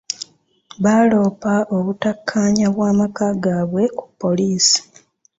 Baalopa okutakkaanya bw'amaka gaabwe ku poliisi.